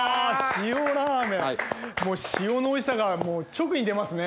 もう塩のおいしさが直に出ますね